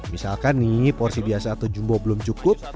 misalkan nih porsi biasa atau jumbo belum cukup